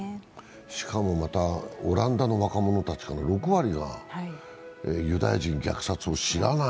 しかも、またオランダの若者たちの６割がユダヤ人虐殺を知らない。